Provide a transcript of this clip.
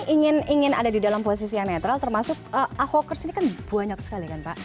ingin ada di dalam posisi yang netral termasuk ahokers ini kan banyak sekali kan pak